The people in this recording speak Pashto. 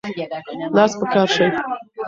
لاس په کار شئ.